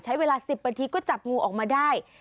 ใช้เวลา๑๐นาทีก็จับงูออกมาได้